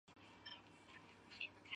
弟弟为作家武野光。